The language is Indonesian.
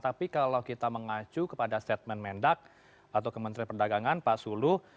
tapi kalau kita mengacu kepada statement mendak atau kementerian perdagangan pak sulu